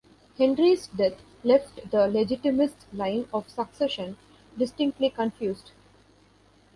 Henri's death left the Legitimist line of succession distinctly confused.